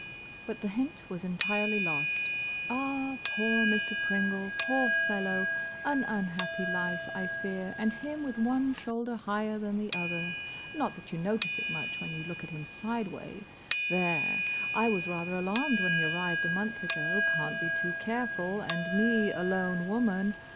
But the hint was entirely lost. "Ah, poor Mr. Pringle! Poor fellow! An unhappy life, I fear; and him with one shoulder higher than the other. Not that you notice it much when you look at him sideways. There. I was rather alarmed when he arrived a month ago. Can't be too careful, and me a lone woman.